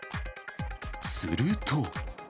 すると。